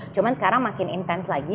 cuma sekarang makin intens lagi